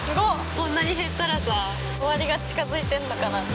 こんなに減ったらさ終わりが近づいてんのかな